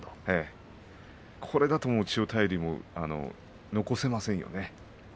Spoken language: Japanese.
これだと千代大龍も残せませんよね。